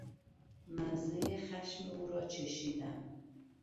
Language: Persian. مزهی خشم او را چشیدم.